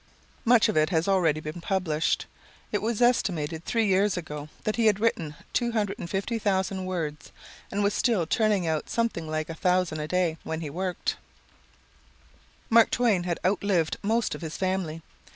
Much of it has already been published. It was estimated three years ago that he had then written 250,000 words, and was still turning out something like 1,000 a day, when he worked. Mark Twain had outlived most of his family.